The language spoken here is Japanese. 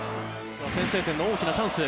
先制点の大きなチャンス。